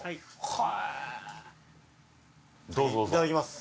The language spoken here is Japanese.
・はいいただきます